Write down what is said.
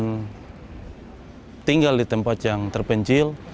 mereka bisa tinggal di tempat yang terpencil